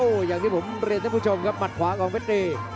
โอ๊ะอย่างที่ผมเรียนให้ผู้ชมครับมัดขวากองดี